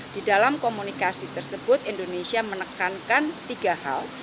di dalam komunikasi tersebut indonesia menekankan tiga hal